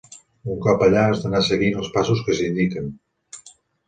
Un cop allà has d'anar seguint els passos que s'indiquen.